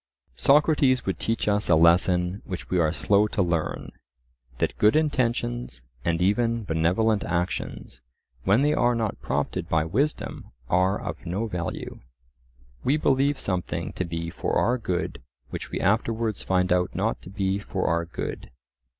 Socrates would teach us a lesson which we are slow to learn—that good intentions, and even benevolent actions, when they are not prompted by wisdom, are of no value. We believe something to be for our good which we afterwards find out not to be for our good.